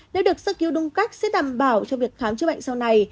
nếu được sơ cứu đúng cách sẽ đảm bảo cho việc khám chữa bệnh sau này